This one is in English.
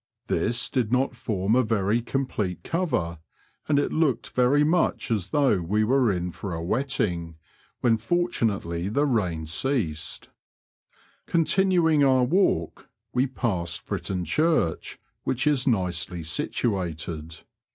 This did not form a very complete cover, and it looked very much as though we were in for a wetting, when fortunately the rain ceased. Continuing our walk, we passed Fritton Church, which is nicely situated.